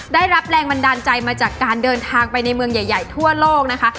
ได้รับแรงบันดาลใจมาจากการเดินทางไปในเมืองใหญ่ทั่วโลกนะคะ